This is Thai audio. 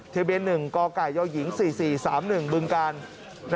ที่เบน๑กกยย๔๔๓๑บึงกาล